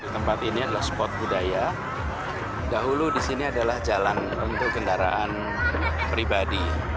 tempat ini adalah spot budaya dahulu di sini adalah jalan untuk kendaraan pribadi